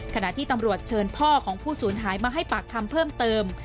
ขณะที่ตำรวจเชิญพ่อของผู้สูญหายมาให้ปากคำเพิ่มเติม